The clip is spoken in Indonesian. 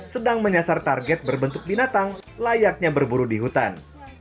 sedang menyasar target berbentuk binatang layaknya berburu di hutan